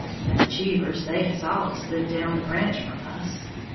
And the Cheevers they has allus lived down the branch from us.